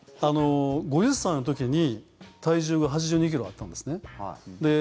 ５０歳の時に体重が８２ｋｇあったんですね。